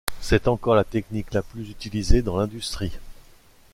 C’est encore la technique la plus utilisée dans l'industrie.